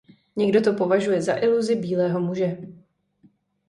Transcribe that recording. Někdo to považuje za iluzi bílého muže.